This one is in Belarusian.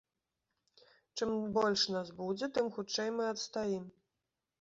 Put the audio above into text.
Чым больш нас будзе, тым хутчэй мы адстаім!